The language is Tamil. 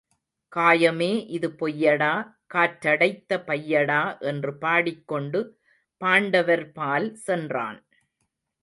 காயமே இது பொய்யடா காற்றடைத்த பையடா என்றுபாடிக் கொண்டு பாண்டவர் பால் சென்றான்.